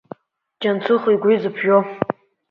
Џьансыхә игәы изыԥжәо.